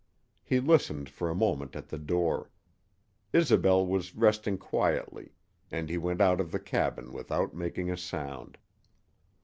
He listened for a moment at the door. Isobel was resting quietly, and he went out of the cabin without making a sound.